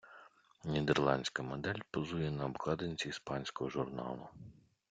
Нідерландська модель позує на обкладинці іспанського журналу.